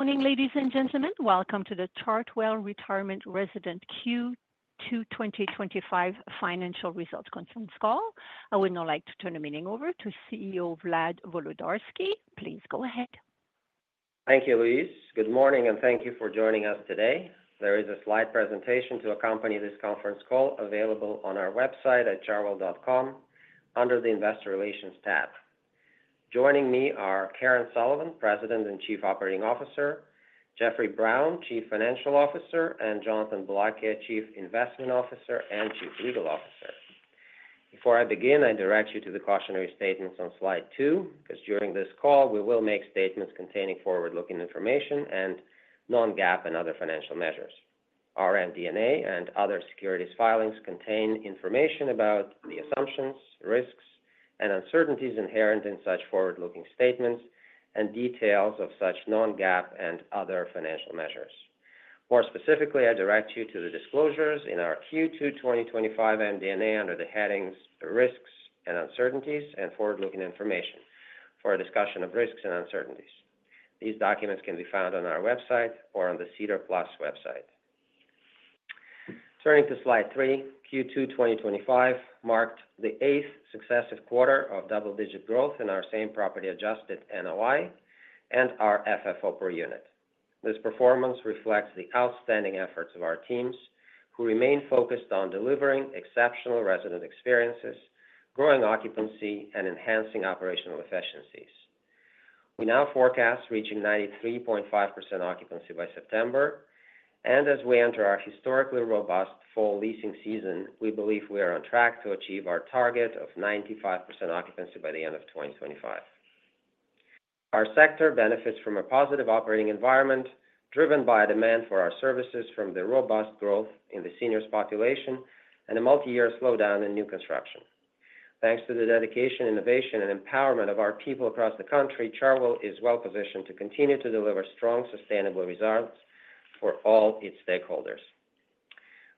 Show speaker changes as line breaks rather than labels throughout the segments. Morning, ladies and gentlemen. Welcome to the Chartwell Retirement Residences Q2 2025 financial results conference call. I would now like to turn the meeting over to CEO Vlad Volodarski. Please go ahead.
Thank you, Luis. Good morning, and thank you for joining us today. There is a slide presentation to accompany this conference call available on our website at chartwell.com under the Investor Relations tab. Joining me are Karen Sullivan, President and Chief Operating Officer, Jeffrey Brown, Chief Financial Officer, and Jonathan Boulakia, Chief Investment Officer and Chief Legal Officer. Before I begin, I direct you to the cautionary statements on slide two, because during this call we will make statements containing forward-looking information and non-GAAP and other financial measures. Our MD&A and other securities filings contain information about the assumptions, risks, and uncertainties inherent in such forward-looking statements and details of such non-GAAP and other financial measures. More specifically, I direct you to the disclosures in our Q2 2025 MD&A under the headings Risks and Uncertainties and Forward-Looking Information for a discussion of risks and uncertainties. These documents can be found on our website or on the SEDAR+ website. Turning to slide three, Q2 2025 marked the eighth successive quarter of double-digit growth in our same property adjusted NOI and our FFO per unit. This performance reflects the outstanding efforts of our teams who remain focused on delivering exceptional resident experiences, growing occupancy, and enhancing operational efficiencies. We now forecast reaching 93.5% occupancy by September, and as we enter our historically robust fall leasing season, we believe we are on track to achieve our target of 95% occupancy by the end of 2025. Our sector benefits from a positive operating environment driven by a demand for our services from the robust growth in the seniors' population and a multi-year slowdown in new construction. Thanks to the dedication, innovation, and empowerment of our people across the country, Chartwell is well-positioned to continue to deliver strong, sustainable results for all its stakeholders.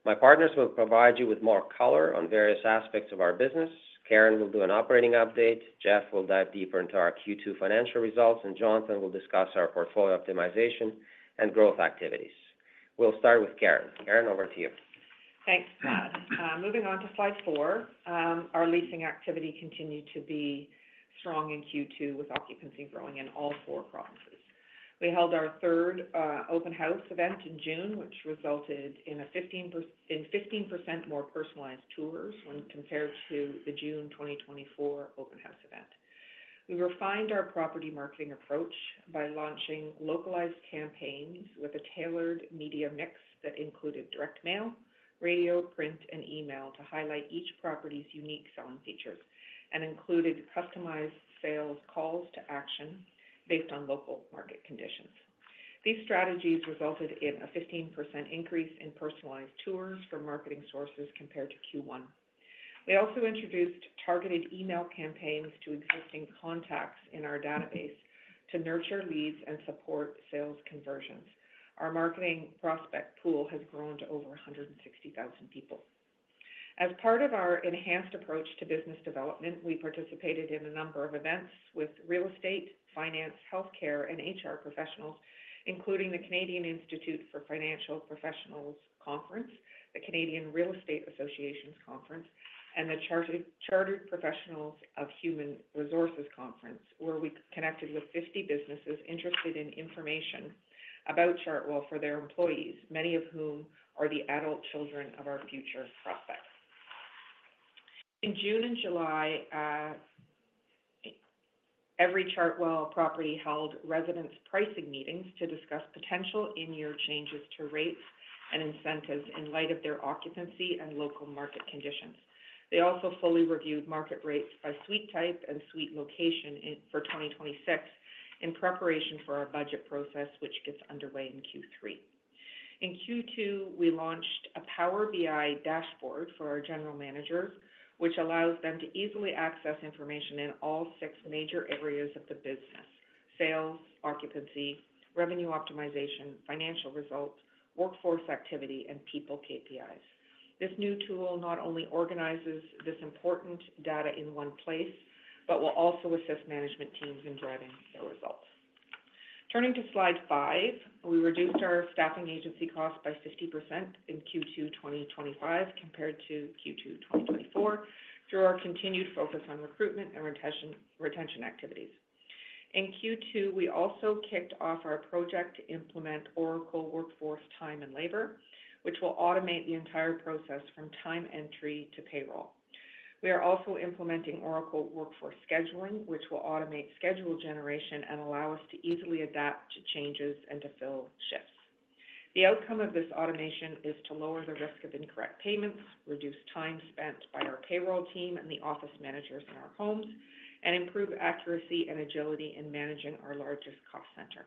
My partners will provide you with more color on various aspects of our business. Karen will do an operating update, Jeff will dive deeper into our Q2 financial results, and Jonathan will discuss our portfolio optimization and growth activities. We'll start with Karen. Karen, over to you.
Thanks, Vlad. Moving on to slide four, our leasing activity continued to be strong in Q2, with occupancy growing in all four provinces. We held our third open house event in June, which resulted in 15% more personalized tours when compared to the June 2024 open house event. We refined our property marketing approach by launching localized campaigns with a tailored media mix that included direct mail, radio, print, and email to highlight each property's unique selling features and included customized sales calls to action based on local market conditions. These strategies resulted in a 15% increase in personalized tours from marketing sources compared to Q1. We also introduced targeted email campaigns to existing contacts in our database to nurture leads and support sales conversions. Our marketing prospect pool has grown to over 160,000 people. As part of our enhanced approach to business development, we participated in a number of events with real estate, finance, healthcare, and HR professionals, including the Canadian Institute for Financial Professionals Conference, the Canadian Real Estate Association conference, and the Charter Professionals of Human Resources Conference, where we connected with 50 businesses interested in information about Chartwell for their employees, many of whom are the adult children of our future prospects. In June and July, every Chartwell property held residents' pricing meetings to discuss potential in-year changes to rates and incentives in light of their occupancy and local market conditions. They also fully reviewed market rates by suite type and suite location for 2026 in preparation for our budget process, which gets underway in Q3. In Q2, we launched a Power BI dashboard for our General Managers, which allows them to easily access information in all six major areas of the business: sales, occupancy, revenue optimization, financial results, workforce activity, and people KPIs. This new tool not only organizes this important data in one place, but will also assist management teams in driving their results. Turning to slide five, we reduced our staffing agency cost by 50% in Q2 2025 compared to Q2 2024 through our continued focus on recruitment and retention activities. In Q2, we also kicked off our project to implement Oracle Workforce time and labor, which will automate the entire process from time entry to payroll. We are also implementing Oracle Workforce Scheduling, which will automate schedule generation and allow us to easily adapt to changes and to fill shifts. The outcome of this automation is to lower the risk of incorrect payments, reduce time spent by our payroll team and the office managers in our homes, and improve accuracy and agility in managing our largest cost center.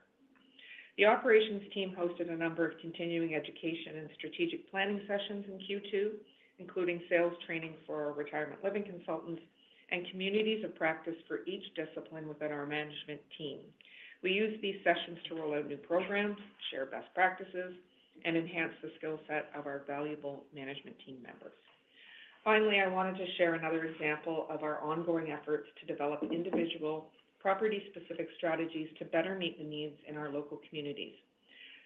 The operations team hosted a number of continuing education and strategic planning sessions in Q2, including sales training for our retirement living consultants and communities of practice for each discipline within our management team. We use these sessions to roll out new programs, share best practices, and enhance the skill set of our valuable management team members. Finally, I wanted to share another example of our ongoing efforts to develop individual property-specific strategies to better meet the needs in our local communities.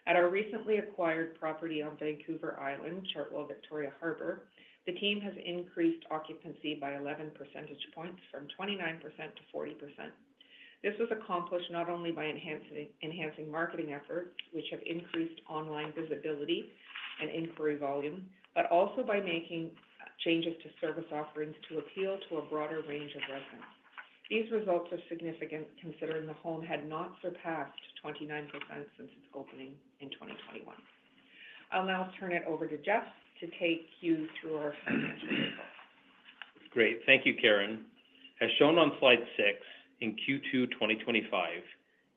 At our recently acquired property on Vancouver Island, Chartwell Victoria Harbour, the team has increased occupancy by 11% from 29% to 40%. This was accomplished not only by enhancing marketing efforts, which have increased online visibility and inquiry volume, but also by making changes to service offerings to appeal to a broader range of residents. These results are significant considering the home had not surpassed 29% since its opening in 2021. I'll now turn it over to Jeff to take you through our financial results.
Great. Thank you, Karen. As shown on slide six, in Q2 2025,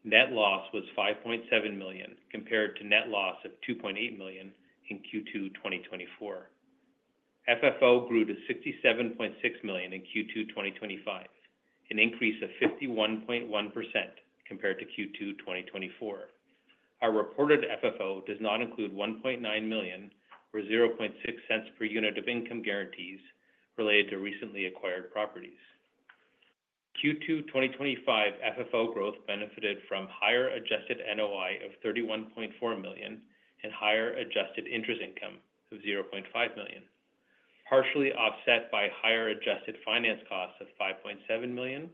net loss was $5.7 million compared to net loss of $2.8 million in Q2 2024. FFO grew to $67.6 million in Q2 2025, an increase of 51.1% compared to Q2 2024. Our reported FFO does not include $1.9 million or $0.006 per unit of income guarantees related to recently acquired properties. Q2 2025 FFO growth benefited from higher adjusted NOI of $31.4 million and higher adjusted interest income of $0.5 million, partially offset by higher adjusted finance costs of $5.7 million,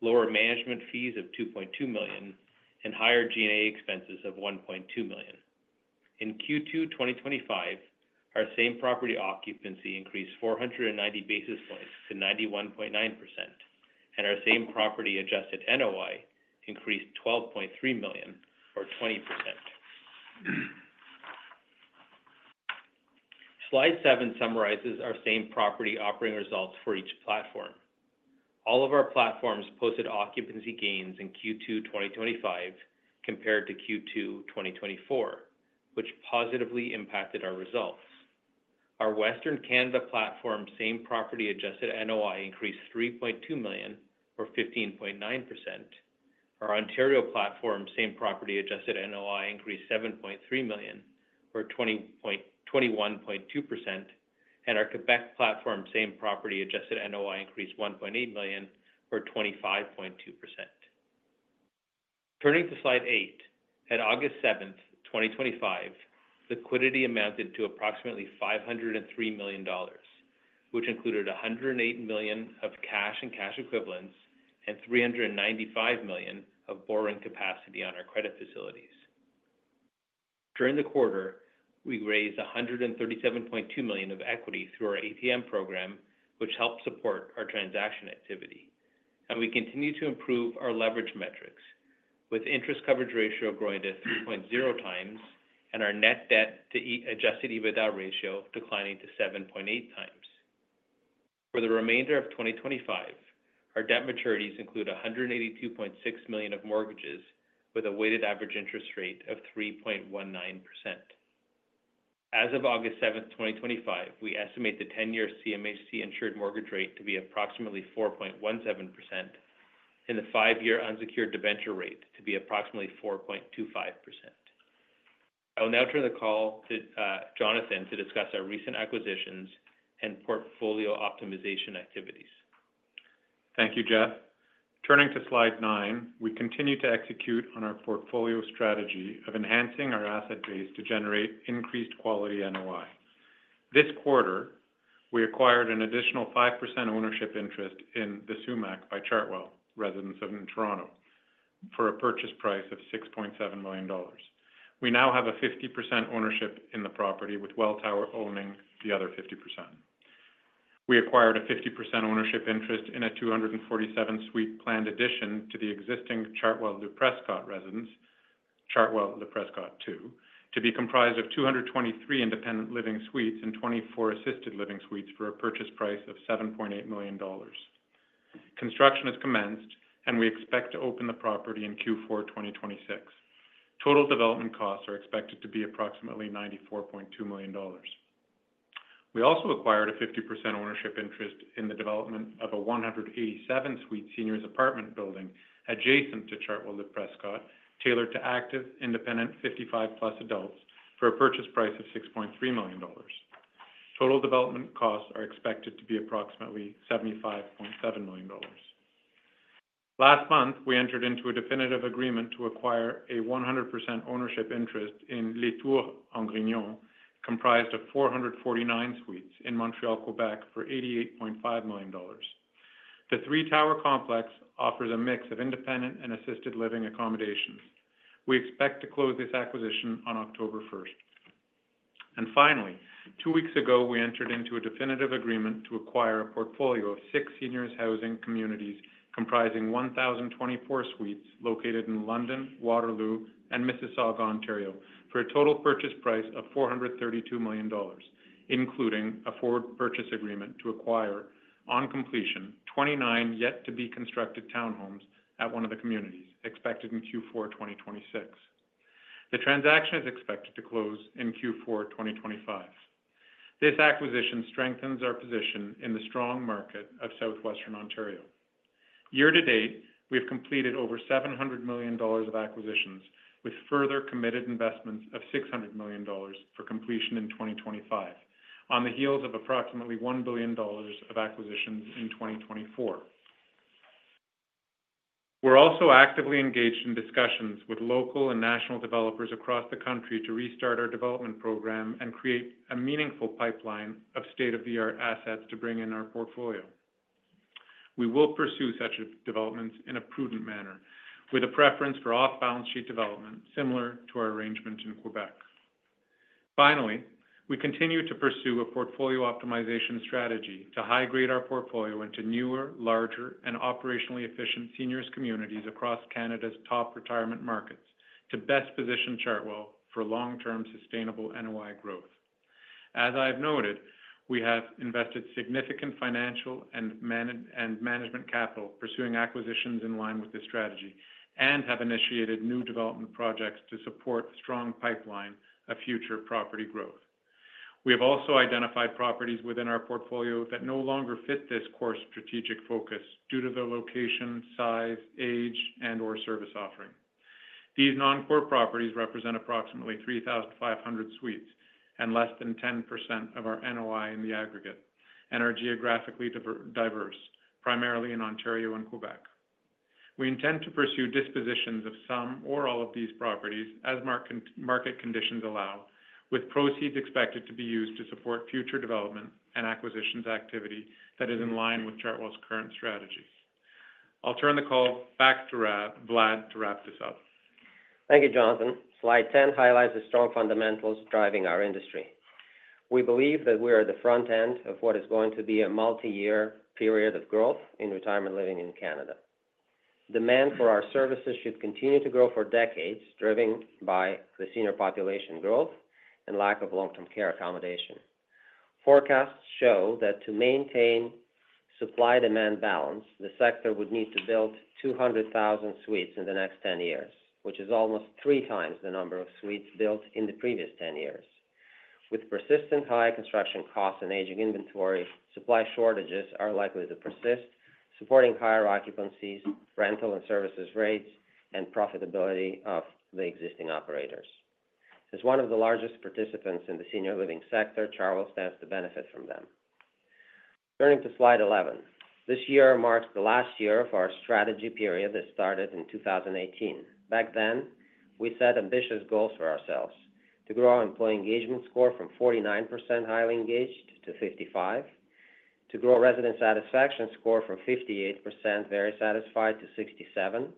lower management fees of $2.2 million, and higher G&A expenses of $1.2 million. In Q2 2025, our same property occupancy increased 490 basis points to 91.9%, and our same property adjusted NOI increased $12.3 million or 20%. Slide seven summarizes our same property operating results for each platform. All of our platforms posted occupancy gains in Q2 2025 compared to Q2 2024, which positively impacted our results. Our Western Canada platform's same property adjusted NOI increased $3.2 million or 15.9%. Our Ontario platform's same property adjusted NOI increased $7.3 million or 21.2%, and our Quebec platform's same property adjusted NOI increased $1.8 million or 25.2%. Turning to slide eight, at August 7, 2025, liquidity amounted to approximately $503 million, which included $108 million of cash and cash equivalents and $395 million of borrowing capacity on our credit facilities. During the quarter, we raised $137.2 million of equity through our ATM program, which helped support our transaction activity. We continue to improve our leverage metrics with interest coverage ratio growing to 3.0x and our net debt to adjusted EBITDA ratio declining to 7.8x. For the remainder of 2025, our debt maturities include $182.6 million of mortgages with a weighted average interest rate of 3.19%. As of August 7, 2025, we estimate the 10-year CMHC insured mortgage rate to be approximately 4.17% and the five-year unsecured debenture rate to be approximately 4.25%. I will now turn the call to Jonathan to discuss our recent acquisitions and portfolio optimization activities.
Thank you, Jeff. Turning to slide nine, we continue to execute on our portfolio strategy of enhancing our asset base to generate increased quality NOI. This quarter, we acquired an additional 5% ownership interest in The Sumach by Chartwell, residences of Toronto, for a purchase price of $6.7 million. We now have a 50% ownership in the property, with Welltower owning the other 50%. We acquired a 50% ownership interest in a 247-suite planned addition to the existing Chartwell Le Prescott residence, Chartwell Le Prescott 2, to be comprised of 223 independent living suites and 24 assisted living suites for a purchase price of $7.8 million. Construction has commenced, and we expect to open the property in Q4 2026. Total development costs are expected to be approximately $94.2 million. We also acquired a 50% ownership interest in the development of a 187-suite seniors apartment building adjacent to Chartwell Le Prescott, tailored to active independent 55+ adults for a purchase price of $6.3 million. Total development costs are expected to be approximately $75.7 million. Last month, we entered into a definitive agreement to acquire a 100% ownership interest in Les Tours Angrignon, comprised of 449 suites in Montreal, Quebec, for $88.5 million. The three-tower complex offers a mix of independent and assisted living accommodations. We expect to close this acquisition on October 1. Two weeks ago, we entered into a definitive agreement to acquire a portfolio of six seniors housing communities comprising 1,024 suites located in London, Waterloo, and Mississauga, Ontario, for a total purchase price of $432 million, including a forward purchase agreement to acquire on completion 29 yet-to-be-constructed townhomes at one of the communities expected in Q4 2026. The transaction is expected to close in Q4 2025. This acquisition strengthens our position in the strong market of Southwestern Ontario. Year to date, we've completed over $700 million of acquisitions, with further committed investments of $600 million for completion in 2025, on the heels of approximately $1 billion of acquisitions in 2024. We're also actively engaged in discussions with local and national developers across the country to restart our development program and create a meaningful pipeline of state-of-the-art assets to bring in our portfolio. We will pursue such developments in a prudent manner, with a preference for off-balance sheet development similar to our arrangement in Quebec. Finally, we continue to pursue a portfolio optimization strategy to high-grade our portfolio into newer, larger, and operationally efficient seniors' communities across Canada's top retirement markets to best position Chartwell for long-term sustainable NOI growth. As I've noted, we have invested significant financial and management capital pursuing acquisitions in line with this strategy and have initiated new development projects to support the strong pipeline of future property growth. We have also identified properties within our portfolio that no longer fit this core strategic focus due to their location, size, age, and/or service offering. These non-core properties represent approximately 3,500 suites and less than 10% of our NOI in the aggregate and are geographically diverse, primarily in Ontario and Quebec. We intend to pursue dispositions of some or all of these properties as market conditions allow, with proceeds expected to be used to support future development and acquisitions activity that is in line with Chartwell's current strategies. I'll turn the call back to Vlad to wrap this up.
Thank you, Jonathan. Slide 10 highlights the strong fundamentals driving our industry. We believe that we are at the front end of what is going to be a multi-year period of growth in retirement living in Canada. Demand for our services should continue to grow for decades, driven by the senior population growth and lack of long-term care accommodation. Forecasts show that to maintain supply-demand balance, the sector would need to build 200,000 suites in the next 10 years, which is almost 3x the number of suites built in the previous 10 years. With persistent high construction costs and aging inventory, supply shortages are likely to persist, supporting higher occupancies, rental and services rates, and profitability of the existing operators. As one of the largest participants in the senior living sector, Chartwell stands to benefit from them. Turning to slide 11, this year marks the last year of our strategy period that started in 2018. Back then, we set ambitious goals for ourselves: to grow our employee engagement score from 49% highly engaged to 55%, to grow resident satisfaction score from 58% very satisfied to 67%,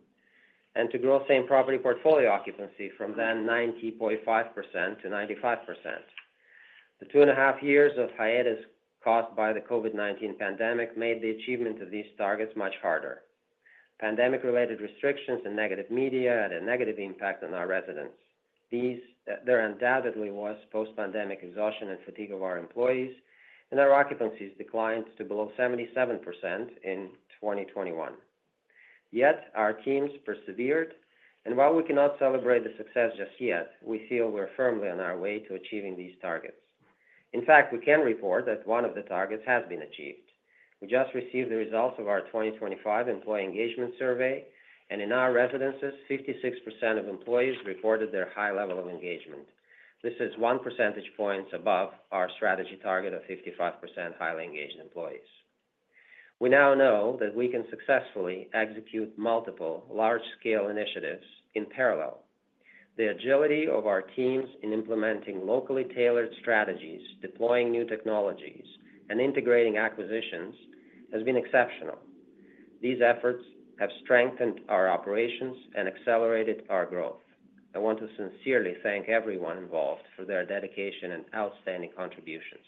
and to grow same property portfolio occupancy from then 90.5% to 95%. The two and a half years of hiatus caused by the COVID-19 pandemic made the achievement of these targets much harder. Pandemic-related restrictions and negative media had a negative impact on our residents. These undoubtedly were post-pandemic exhaustion and fatigue of our employees, and our occupancies declined to below 77% in 2021. Yet, our teams persevered, and while we cannot celebrate the success just yet, we feel we're firmly on our way to achieving these targets. In fact, we can report that one of the targets has been achieved. We just received the results of our 2025 employee engagement survey, and in our residences, 56% of employees reported their high level of engagement. This is 1 percentage point above our strategy target of 55% highly engaged employees. We now know that we can successfully execute multiple large-scale initiatives in parallel. The agility of our teams in implementing locally tailored strategies, deploying new technologies, and integrating acquisitions has been exceptional. These efforts have strengthened our operations and accelerated our growth. I want to sincerely thank everyone involved for their dedication and outstanding contributions.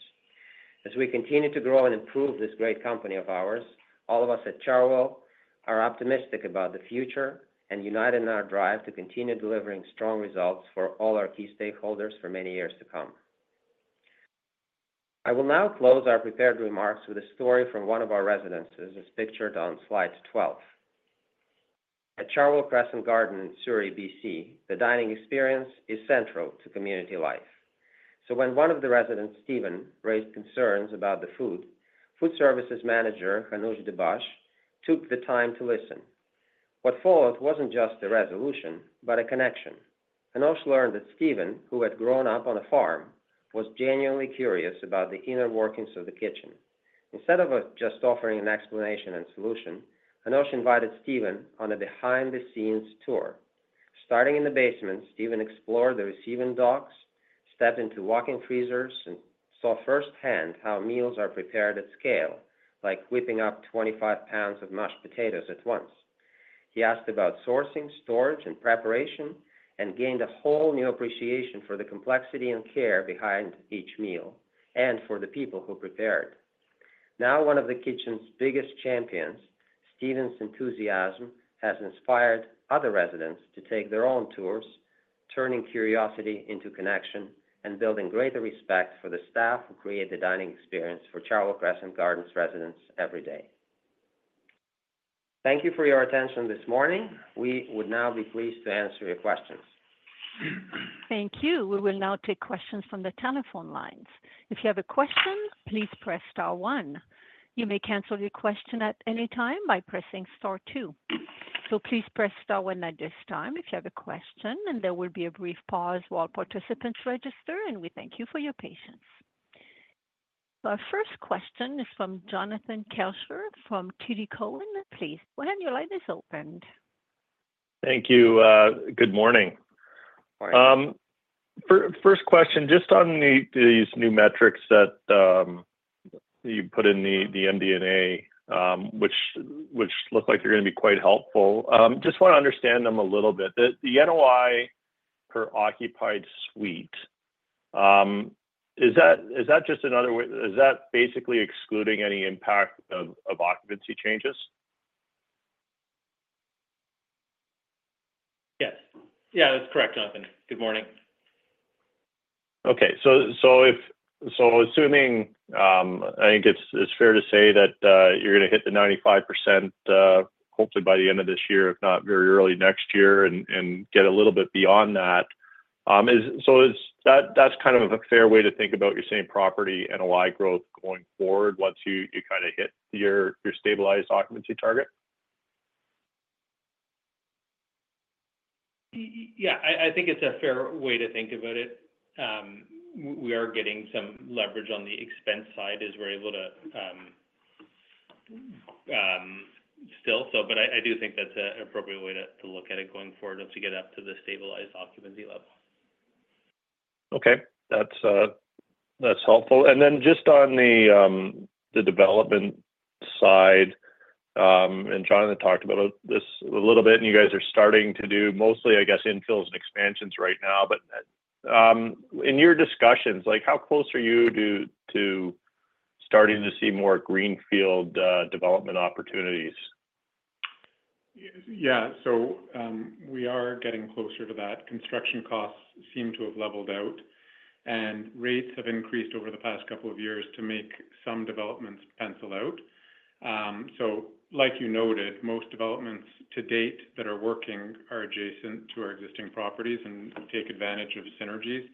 As we continue to grow and improve this great company of ours, all of us at Chartwell are optimistic about the future and united in our drive to continue delivering strong results for all our key stakeholders for many years to come. I will now close our prepared remarks with a story from one of our residents, as is pictured on slide 12. At Chartwell Crescent Gardens, Surrey, BC, the dining experience is central to community life. When one of the residents, Steven, raised concerns about the food, Food Services Manager Hanosh Dubash took the time to listen. What followed wasn't just a resolution, but a connection. Hanosh learned that Steven, who had grown up on a farm, was genuinely curious about the inner workings of the kitchen. Instead of just offering an explanation and solution, Hanosh invited Steven on a behind-the-scenes tour. Starting in the basement, Steven explored the receiving docks, stepped into walk-in freezers, and saw firsthand how meals are prepared at scale, like whipping up 25 pounds of mashed potatoes at once. He asked about sourcing, storage, and preparation and gained a whole new appreciation for the complexity and care behind each meal and for the people who prepared them. Now one of the kitchen's biggest champions, Steven's enthusiasm has inspired other residents to take their own tours, turning curiosity into connection and building greater respect for the staff who create the dining experience for Chartwell Crescent Gardens residents every day. Thank you for your attention this morning. We would now be pleased to answer your questions.
Thank you. We will now take questions from the telephone lines. If you have a question, please press star one. You may cancel your question at any time by pressing star two. Please press star one at this time if you have a question, and there will be a brief pause while participants register. We thank you for your patience. Our first question is from Jonathan Kelcher from TD Cowen. Please, go ahead and your line is opened.
Thank you. Good morning. First question, just on these new metrics that you put in the MD&A, which look like they're going to be quite helpful. Just want to understand them a little bit. The NOI per occupied suite, is that just another way? Is that basically excluding any impact of occupancy changes?
Yes, that's correct, Jonathan. Good morning.
Okay. If assuming, I think it's fair to say that you're going to hit the 95% hopefully by the end of this year, if not very early next year, and get a little bit beyond that. That's kind of a fair way to think about your same property NOI growth going forward once you hit your stabilized occupancy target?
Yeah, I think it's a fair way to think about it. We are getting some leverage on the expense side as we're able to still, but I do think that's an appropriate way to look at it going forward to get up to the stabilized occupancy level.
Okay. That's helpful. Just on the development side, Jonathan talked about this a little bit, and you guys are starting to do mostly, I guess, infills and expansions right now. In your discussions, how close are you to starting to see more greenfield development opportunities?
Yeah. We are getting closer to that. Construction costs seem to have leveled out, and rates have increased over the past couple of years to make some developments pencil out. Like you noted, most developments to date that are working are adjacent to our existing properties and take advantage of synergies.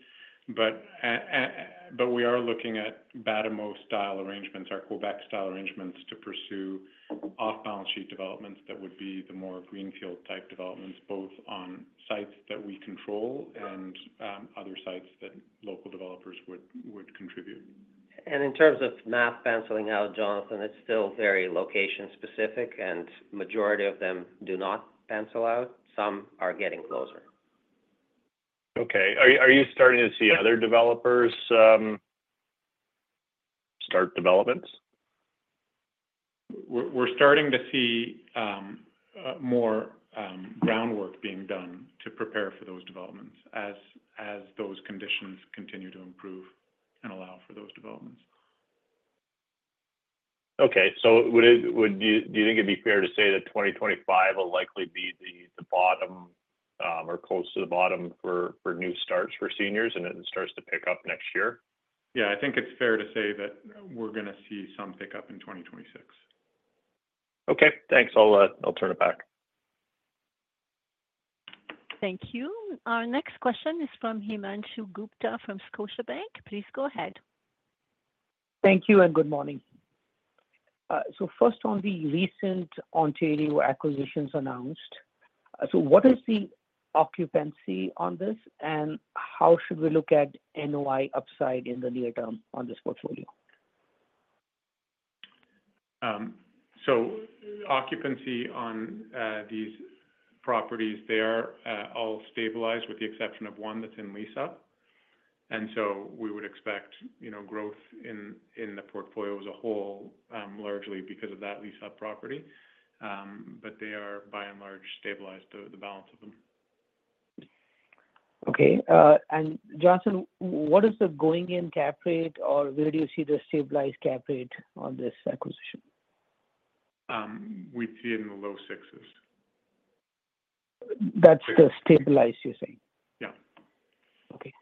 We are looking at Batimo style arrangements, our Quebec style arrangements, to pursue off-balance sheet developments that would be the more greenfield type developments, both on sites that we control and other sites that local developers would contribute.
In terms of not penciling out, Jonathan, it's still very location specific, and the majority of them do not pencil out. Some are getting closer.
Okay. Are you starting to see other developers start developments?
We're starting to see more groundwork being done to prepare for those developments as those conditions continue to improve and allow for those developments.
Do you think it'd be fair to say that 2025 will likely be the bottom or close to the bottom for new starts for seniors and it starts to pick up next year?
Yeah, I think it's fair to say that we're going to see some pick up in 2026.
Okay, thanks. I'll turn it back.
Thank you. Our next question is from Himanshu Gupta from Scotiabank. Please go ahead.
Thank you, and good morning. First, on the recent Ontario acquisitions announced, what is the occupancy on this, and how should we look at NOI upside in the near-term on this portfolio?
Occupancy on these properties, they are all stabilized with the exception of one that's in lease-up. We would expect growth in the portfolio as a whole, largely because of that lease-up property. They are, by and large, stabilized, the balance of them.
Okay. Jonathan, what is the going-in cap rate or where do you see the stabilized cap rate on this acquisition?
We've seen the low 6s.
That's the stabilized, you're saying?
Yeah.
Okay.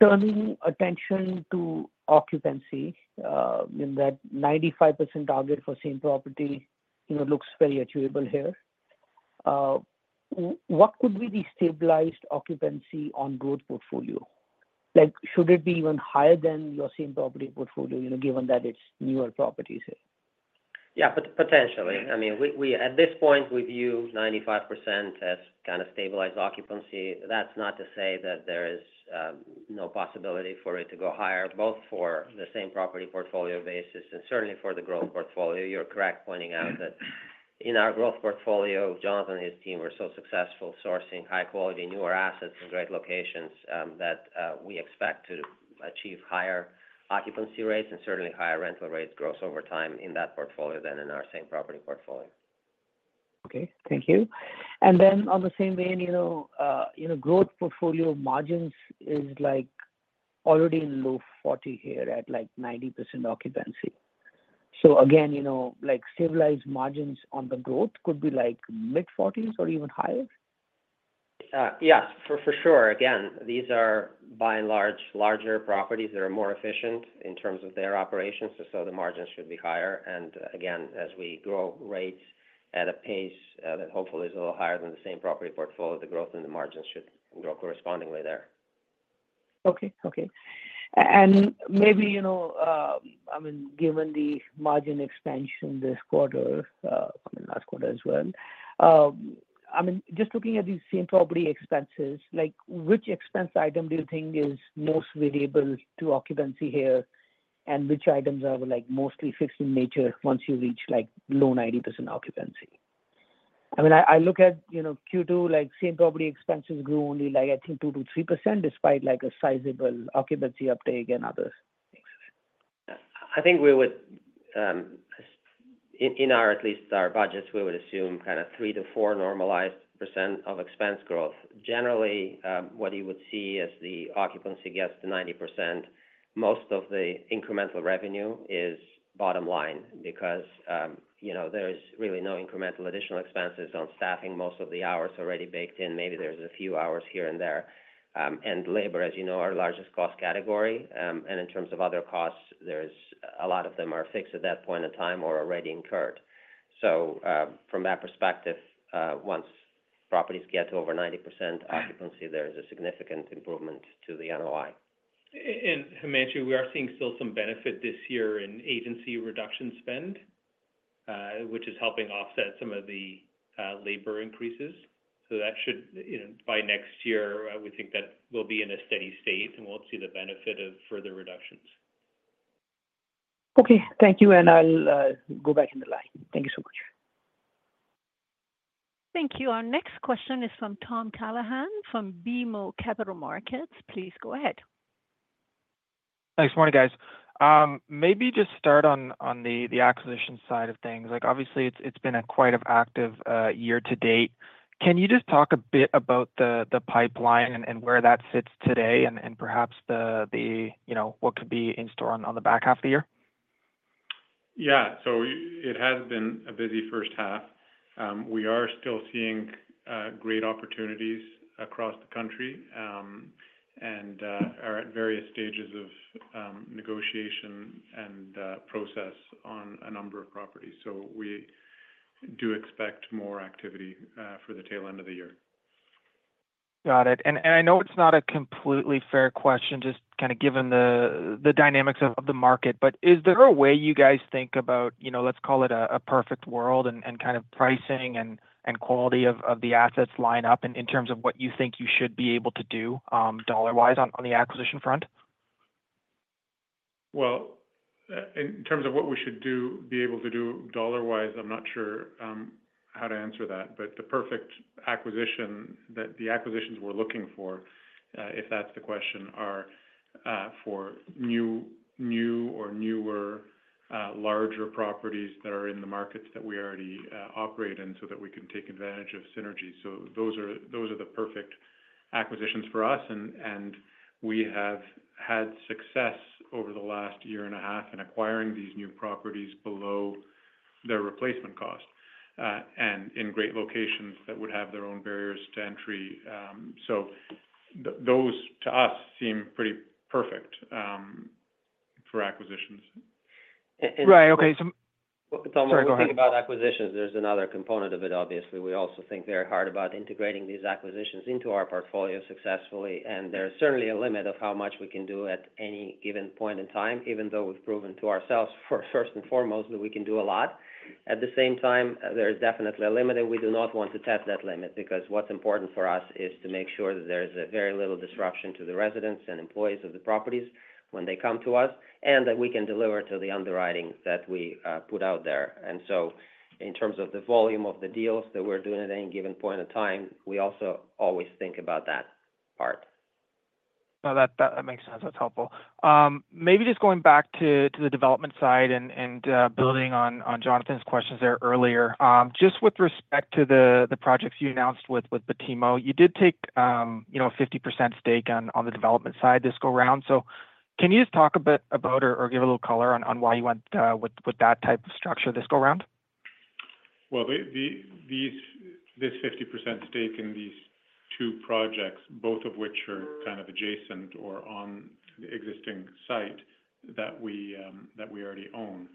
Turning attention to occupancy in that 95% target for same property, it looks very achievable here. What could be the stabilized occupancy on growth portfolio? Should it be even higher than your same property portfolio, given that it's newer properties here?
Yeah, potentially. I mean, we at this point, we view 95% as kind of stabilized occupancy. That's not to say that there is no possibility for it to go higher, both for the same property portfolio basis and certainly for the growth portfolio. You're correct pointing out that in our growth portfolio, Jonathan and his team were so successful sourcing high-quality, newer assets in great locations that we expect to achieve higher occupancy rates and certainly higher rental rates gross over time in that portfolio than in our same property portfolio.
Okay. Thank you. On the same vein, you know, growth portfolio margins are already in low 40% here at like 90% occupancy. You know, like stabilized margins on the growth could be like mid-40s percent or even higher?
Yeah, for sure. These are, by and large, larger properties that are more efficient in terms of their operations. The margins should be higher. As we grow rates at a pace that hopefully is a little higher than the same property portfolio, the growth and the margins should grow correspondingly there.
Okay. Given the margin expansion this quarter, last quarter as well, just looking at these same property expenses, which expense item do you think is most valuable to occupancy here and which items are mostly fixed in nature once you reach low 90% occupancy? I look at Q2, same property expenses grew only 2%-3% despite a sizable occupancy uptake and others.
I think we would, in at least our budgets, we would assume kind of 3%-4% normalized expense growth. Generally, what you would see as the occupancy gets to 90%, most of the incremental revenue is bottom line because, you know, there's really no incremental additional expenses on staffing. Most of the hours are already baked in. Maybe there's a few hours here and there. Labor, as you know, is our largest cost category. In terms of other costs, a lot of them are fixed at that point in time or already incurred. From that perspective, once properties get to over 90% occupancy, there's a significant improvement to the NOI.
Himanshu, we are seeing still some benefit this year in agency reduction spend, which is helping offset some of the labor increases. By next year, we think that we'll be in a steady state and we'll see the benefit of further reductions.
Okay. Thank you. I'll go back in the line. Thank you so much.
Thank you. Our next question is from Tom Callaghan from BMO Capital Markets. Please go ahead.
Thanks. Morning, guys. Maybe just start on the acquisition side of things. Obviously, it's been quite an active year to date. Can you just talk a bit about the pipeline and where that sits today, and perhaps what could be in store on the back half of the year?
It has been a busy first half. We are still seeing great opportunities across the country and are at various stages of negotiation and process on a number of properties. We do expect more activity for the tail end of the year.
Got it. I know it's not a completely fair question, just given the dynamics of the market, but is there a way you guys think about, you know, let's call it a perfect world and kind of pricing and quality of the assets line up in terms of what you think you should be able to do dollar-wise on the acquisition front?
In terms of what we should be able to do dollar-wise, I'm not sure how to answer that. The perfect acquisition that the acquisitions we're looking for, if that's the question, are for new or newer, larger properties that are in the markets that we already operate in so that we can take advantage of synergies. Those are the perfect acquisitions for us. We have had success over the last year and a half in acquiring these new properties below their replacement cost and in great locations that would have their own barriers to entry. Those, to us, seem pretty perfect for acquisitions.
Right. Okay.
Tom, when you think about acquisitions, there's another component of it, obviously. We also think very hard about integrating these acquisitions into our portfolio successfully. There's certainly a limit of how much we can do at any given point in time, even though we've proven to ourselves, first and foremost, that we can do a lot. At the same time, there's definitely a limit, and we do not want to tap that limit because what's important for us is to make sure that there's very little disruption to the residents and employees of the properties when they come to us and that we can deliver to the underwriting that we put out there. In terms of the volume of the deals that we're doing at any given point in time, we also always think about that part.
No, that makes sense. That's helpful. Maybe just going back to the development side and building on Jonathan's questions there earlier, just with respect to the projects you announced with Batimo, you did take a 50% stake on the development side this go round. Can you just talk a bit about or give a little color on why you went with that type of structure this go round?
This 50% stake in these two projects, both of which are kind of adjacent or on the existing site that we already own,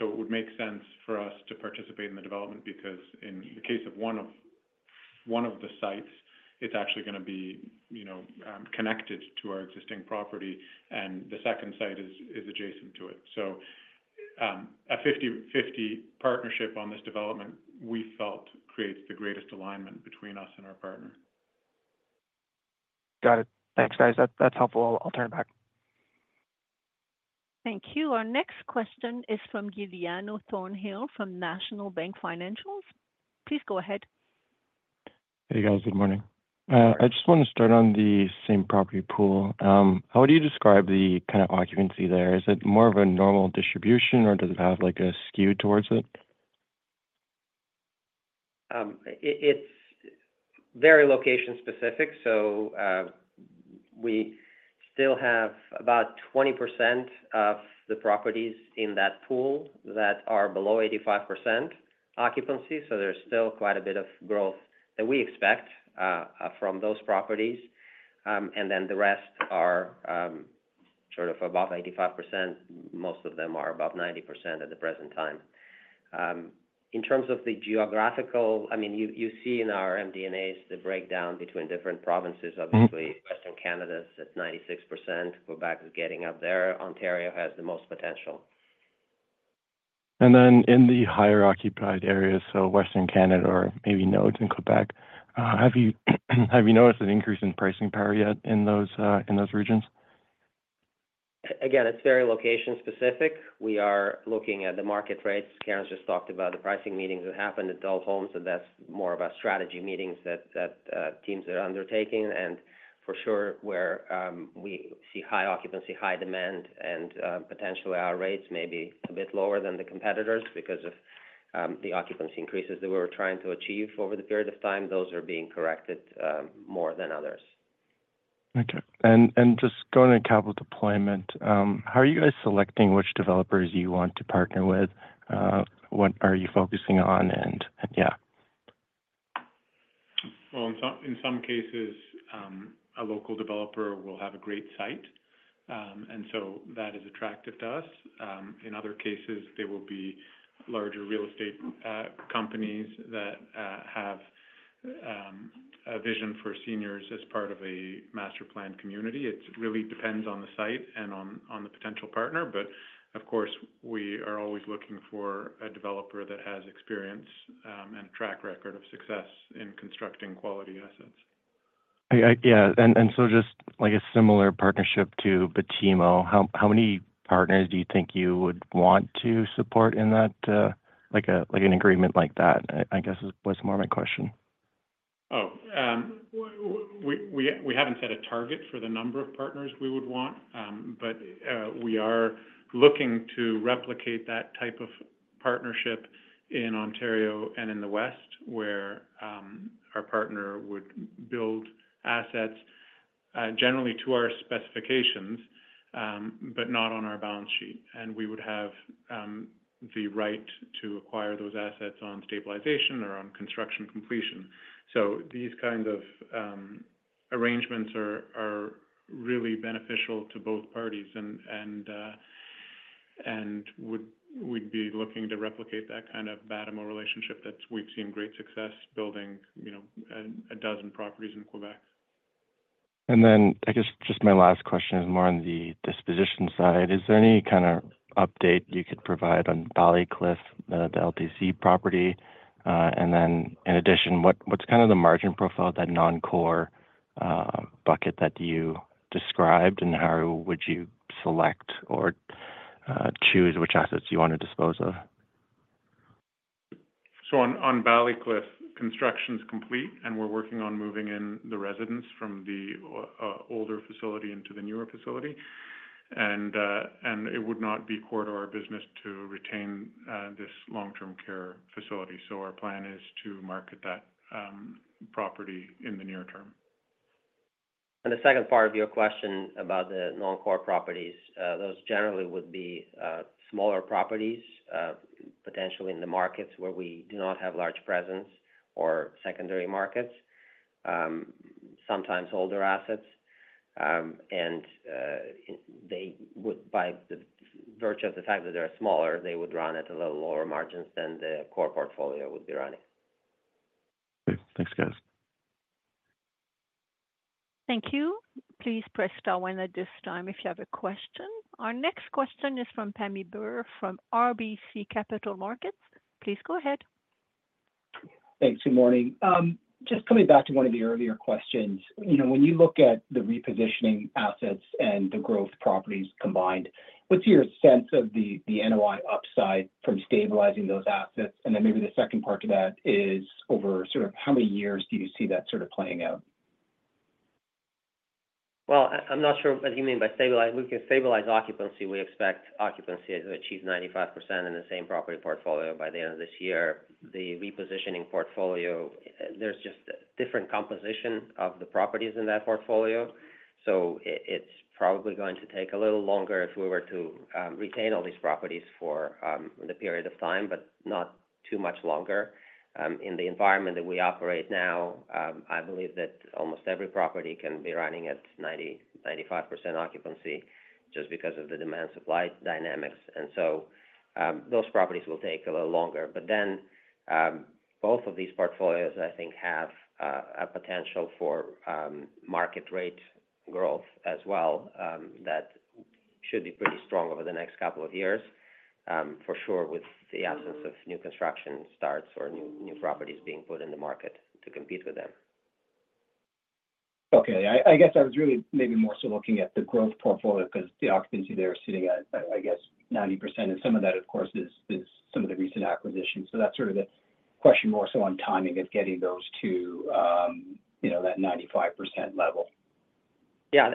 would make sense for us to participate in the development because in the case of one of the sites, it's actually going to be connected to our existing property, and the second site is adjacent to it. A 50/50 partnership on this development, we felt, creates the greatest alignment between us and our partner.
Got it. Thanks, guys. That's helpful. I'll turn it back.
Thank you. Our next question is from Giuliano Thornhill from National Bank Financial. Please go ahead.
Hey, guys. Good morning. I just want to start on the same-property pool. How would you describe the kind of occupancy there? Is it more of a normal distribution, or does it have like a skew towards it?
It's very location specific. We still have about 20% of the properties in that pool that are below 85% occupancy. There's still quite a bit of growth that we expect from those properties. The rest are above 85%. Most of them are above 90% at the present time. In terms of the geographical, you see in our MD&As the breakdown between different provinces. Obviously, Western Canada is at 96%. Quebec is getting up there. Ontario has the most potential.
In the higher occupied areas, such as Western Canada or maybe nodes in Quebec, have you noticed an increase in pricing power yet in those regions?
Again, it's very location specific. We are looking at the market rates. Karen's just talked about the pricing meetings that happened at adult homes, and that's more of our strategy meetings that teams are undertaking. For sure, where we see high occupancy, high demand, and potentially our rates may be a bit lower than the competitors because of the occupancy increases that we were trying to achieve over the period of time, those are being corrected more than others.
Okay. Going to capital deployment, how are you guys selecting which developers you want to partner with? What are you focusing on?
In some cases, a local developer will have a great site, and that is attractive to us. In other cases, there will be larger real estate companies that have a vision for seniors as part of a master plan community. It really depends on the site and on the potential partner. Of course, we are always looking for a developer that has experience and a track record of success in constructing quality assets.
Just like a similar partnership to Batimo, how many partners do you think you would want to support in that, like an agreement like that? I guess that was more of my question.
Oh, we haven't set a target for the number of partners we would want, but we are looking to replicate that type of partnership in Ontario and in the West, where our partner would build assets generally to our specifications, but not on our balance sheet. We would have the right to acquire those assets on stabilization or on construction completion. These kinds of arrangements are really beneficial to both parties, and we'd be looking to replicate that kind of Batimo relationship that we've seen great success building, you know, a dozen properties in Quebec.
I guess just my last question is more on the disposition side. Is there any kind of update you could provide on Ballycliffe, the LTC property? In addition, what's kind of the margin profile of that non-core bucket that you described, and how would you select or choose which assets you want to dispose of?
Construction's complete at Ballycliffe, and we're working on moving in the residents from the older facility into the newer facility. It would not be core to our business to retain this long-term care facility, so our plan is to market that property in the near-term.
The second part of your question about the non-core properties, those generally would be smaller properties, potentially in the markets where we do not have large presence or secondary markets, sometimes older assets. By the virtue of the fact that they're smaller, they would run at a little lower margins than the core portfolio would be running.
Thanks, guys.
Thank you. Please press star one at this time if you have a question. Our next question is from Pammi Bir from RBC Capital Markets. Please go ahead.
Thanks. Good morning. Just coming back to one of the earlier questions, when you look at the repositioning assets and the growth properties combined, what's your sense of the NOI upside from stabilizing those assets? Maybe the second part to that is over how many years do you see that playing out?
I'm not sure what you mean by stabilized. If we can stabilize occupancy, we expect occupancy to achieve 95% in the same property portfolio by the end of this year. The repositioning portfolio, there's just a different composition of the properties in that portfolio, so it's probably going to take a little longer if we were to retain all these properties for the period of time, but not too much longer. In the environment that we operate now, I believe that almost every property can be running at 90%-95% occupancy just because of the demand-supply dynamics. Those properties will take a little longer. Both of these portfolios, I think, have a potential for market rent growth as well that should be pretty strong over the next couple of years, for sure, with the absence of new construction starts or new properties being put in the market to compete with them.
Okay. I guess I was really maybe more so looking at the growth portfolio because the occupancy there is sitting at, I guess, 90%. Some of that, of course, is some of the recent acquisitions. That's sort of a question more so on timing of getting those to, you know, that 95% level.
Yeah.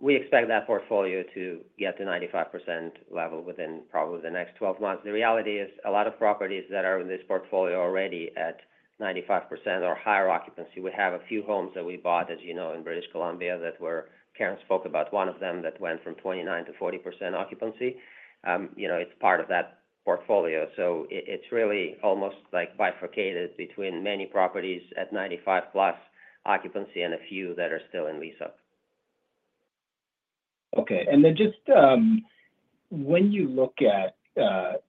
We expect that portfolio to get to 95% level within probably the next 12 months. The reality is a lot of properties that are in this portfolio are already at 95% or higher occupancy. We have a few homes that we bought, as you know, in British Columbia that Karen spoke about, one of them that went from 29% to 40% occupancy. It's part of that portfolio. It's really almost like bifurcated between many properties at 95%+ occupancy and a few that are still in lease-up.
Okay. When you look at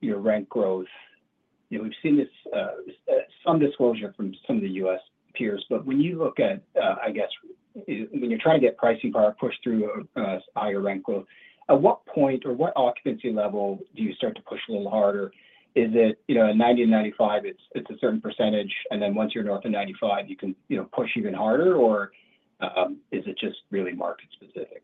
your rent growth, we've seen this disclosure from some of the U.S. peers. When you look at, I guess, when you're trying to get pricing power pushed through a higher rent growth, at what point or what occupancy level do you start to push a little harder? Is it 90%-95%, it's a certain percentage, and then once you're north of 95%, you can push even harder, or is it just really market specific?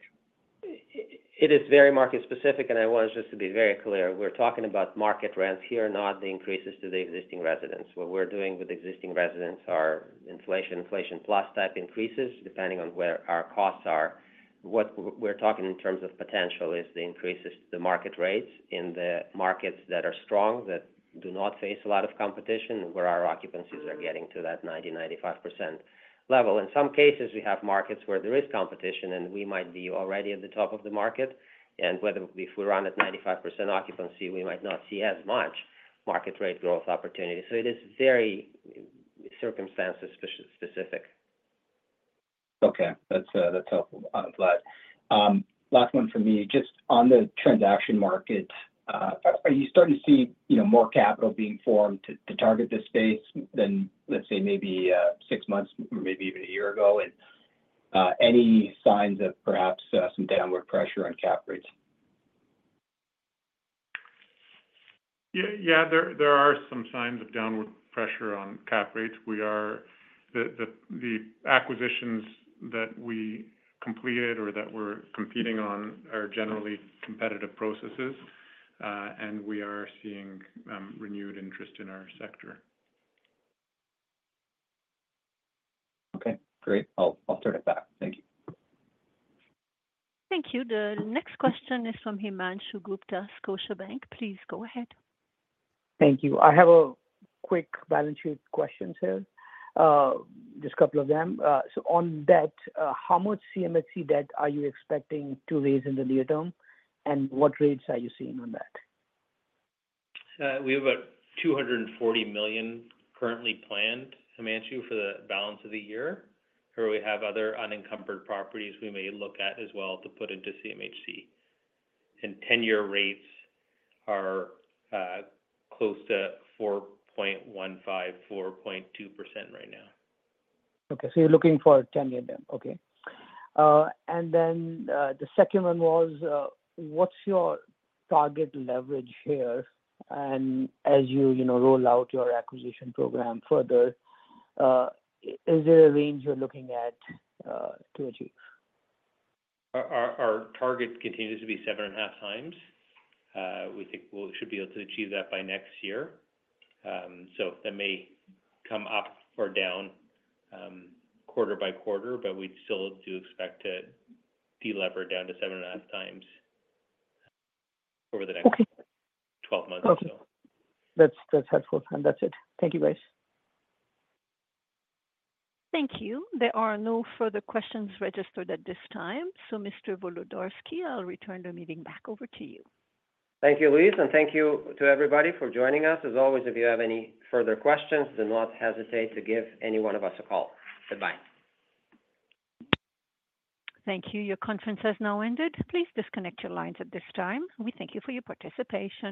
It is very market specific, and I want us just to be very clear. We're talking about market rents here, not the increases to the existing residents. What we're doing with existing residents are inflation, inflation plus type increases depending on where our costs are. What we're talking in terms of potential is the increases to the market rates in the markets that are strong, that do not face a lot of competition, and where our occupancies are getting to that 90%-95% level. In some cases, we have markets where there is competition, and we might be already at the top of the market. If we run at 95% occupancy, we might not see as much market rate growth opportunity. It is very circumstance specific.
Okay. That's helpful. I'm glad. Last one from me. Just on the transaction market, are you starting to see more capital being formed to target this space than, let's say, maybe six months or maybe even a year ago? Any signs of perhaps some downward pressure on cap rates?
Yeah, there are some signs of downward pressure on cap rates. We are the acquisitions that we completed or that we're competing on are generally competitive processes, and we are seeing renewed interest in our sector.
Okay. Great. I'll turn it back. Thank you.
Thank you. The next question is from Himanshu Gupta, Scotiabank. Please go ahead.
Thank you. I have a quick balance sheet question here, just a couple of them. On debt, how much CMHC debt are you expecting to raise in the near-term, and what rates are you seeing on that?
We have about $240 million currently planned, Himanshu, for the balance of the year, where we have other unencumbered properties we may look at as well to put into CMHC. 10-year rates are close to 4.15%, 4.2% right now.
Okay, you're looking for a 10-year then. What's your target leverage here? As you roll out your acquisition program further, is there a range you're looking at to achieve?
Our target continues to be 7.5x. We think we should be able to achieve that by next year. That may come up or down quarter by quarter, but we still do expect to delever down to 7.5x over the next 12 months or so.
That's helpful. That's it. Thank you, guys.
Thank you. There are no further questions registered at this time. Mr. Volodarski, I'll return the meeting back over to you.
Thank you, Luis, and thank you to everybody for joining us. As always, if you have any further questions, do not hesitate to give any one of us a call. Goodbye.
Thank you. Your conference has now ended. Please disconnect your lines at this time. We thank you for your participation.